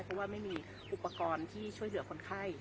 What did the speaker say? เพราะว่าไม่มีอุปกรณ์ที่ช่วยเหลือคนไข้